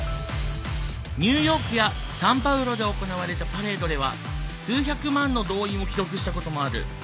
ニューヨークやサンパウロで行われたパレードでは数百万の動員を記録したこともある。